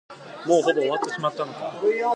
もうほぼ終わってしまったのか。